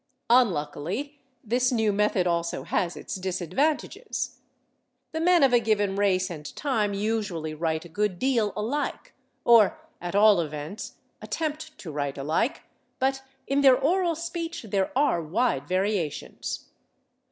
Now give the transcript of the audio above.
Unluckily, this new method also has its disadvantages. The men of a given race and time usually write a good deal alike, or, at all events, attempt to write alike, but in their oral speech there are wide variations.